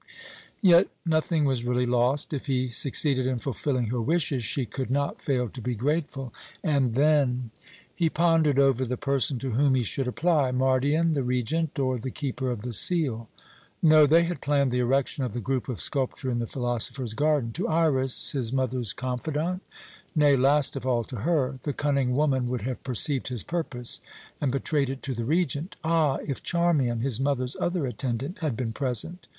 Yet nothing was really lost. If he succeeded in fulfilling her wishes, she could not fail to be grateful; and then He pondered over the person to whom he should apply Mardion, the Regent, or the Keeper of the Seal? No, they had planned the erection of the group of sculpture in the philosopher's garden. To Iras, his mother's confidante? Nay, last of all to her. The cunning woman would have perceived his purpose and betrayed it to the Regent. Ah, if Charmian, his mother's other attendant, had been present!